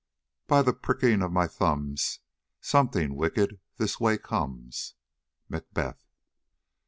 By the pricking of my thumbs, Something wicked this way comes. MACBETH.